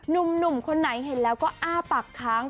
หนุ่มคนไหนเห็นแล้วก็อ้าปากค้าง